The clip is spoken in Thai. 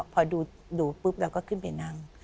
พอดูปุ๊บเราก็ขึ้นไปนั่ง